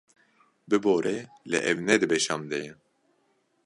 Bibore lê ev ne di beşa min de ye?